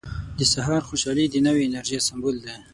• د سهار خوشحالي د نوې انرژۍ سمبول دی.